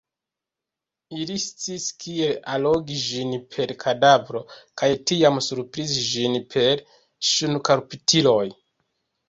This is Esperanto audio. Ili sciis kiel allogi ĝin per kadavro kaj tiam surprizi ĝin per ŝnurkaptiloj.